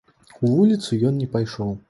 У вуліцу ён не пайшоў.